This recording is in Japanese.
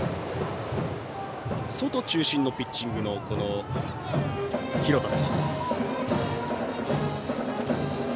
外中心のピッチングの廣田。